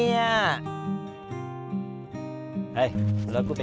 น้ำ